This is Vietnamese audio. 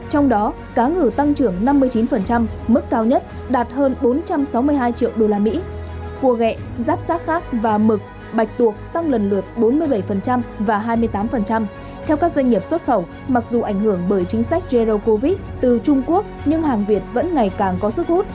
trong đó có thị trường truyền thống như trung quốc